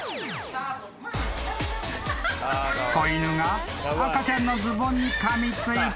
［子犬が赤ちゃんのズボンにかみついた］